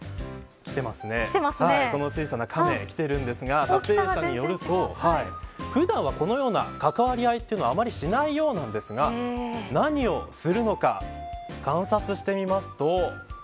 この小さなカメが来ているんですが撮影者によると普段はこのような関わり合いはしないようなんですが何をするのが観察してみますと。